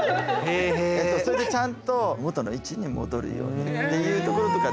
それでちゃんと元の位置に戻るようにっていうところとかって。